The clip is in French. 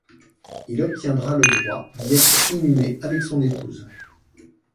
Il obtiendra le droit d'y être inhumé avec son épouse.